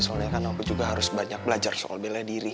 soalnya kan aku juga harus banyak belajar soal bela diri